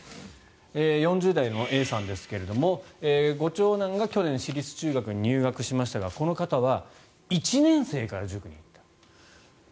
４０代のＡさんですが、ご長男が去年、私立中学に入学しましたがこの方は１年生から塾に行った。